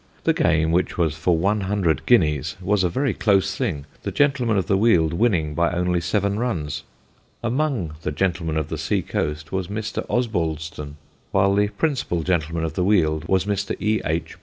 The game, which was for one hundred guineas, was a very close thing, the Gentlemen of the Weald winning by only seven runs. Among the Gentlemen of the Sea coast was Mr. Osbaldeston, while the principal Gentleman of the Weald was Mr. E. H.